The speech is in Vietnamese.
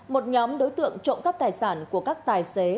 một nhóm đối tượng trộm cắp tài sản của các tài xế